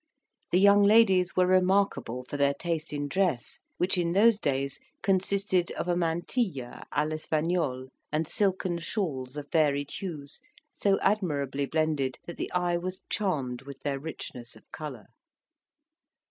The young ladies were remarkable for their taste in dress, which in those days consisted of a mantilla a l'Espagnole, and silken shawls of varied hues, so admirably blended, that the eye was charmed with their richness of colour.